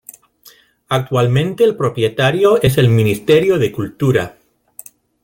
Actualmente el propietario es el Ministerio de Cultura.